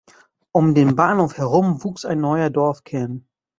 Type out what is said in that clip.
Um den Bahnhof herum wuchs ein neuer Dorfkern.